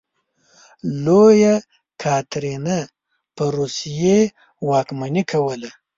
لویه کاترینه په روسیې واکمني کوله.